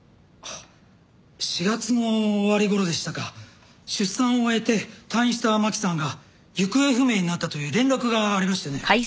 あっ４月の終わり頃でしたか出産を終えて退院した槙さんが行方不明になったという連絡がありましてね。